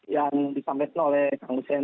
yang disampaikan oleh kang hussein